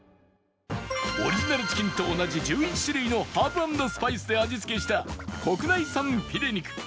オリジナルチキンと同じ１１種類のハーブ＆スパイスで味付けした国内産フィレ肉